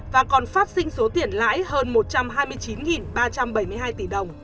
và còn phát sinh số tiền lãi hơn một trăm hai mươi chín ba trăm bảy mươi hai tỷ đồng